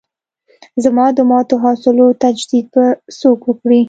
زما د ماتو حوصلو تجدید به څوک وکړي.